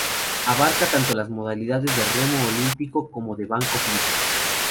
Abarca tanto las modalidades de remo olímpico como de banco fijo.